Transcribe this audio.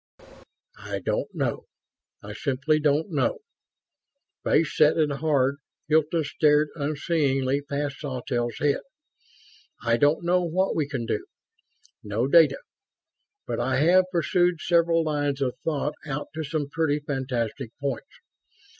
"I don't know. I simply don't know." Face set and hard, Hilton stared unseeingly past Sawtelle's head. "I don't know what we can do. No data. But I have pursued several lines of thought out to some pretty fantastic points